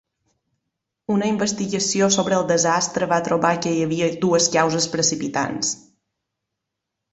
Una investigació sobre el desastre va trobar que hi havia dues causes precipitants.